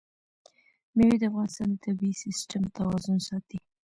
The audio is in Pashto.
مېوې د افغانستان د طبعي سیسټم توازن ساتي.